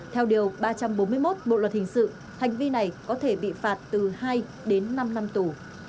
theo điều ba trăm bốn mươi một bộ luật hình sự hành vi này có thể bị phạt từ hai đến năm năm tù